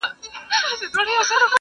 د ژوندون خواست یې کوه له ربه یاره ,